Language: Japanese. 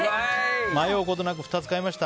迷うことなく２つ買いました。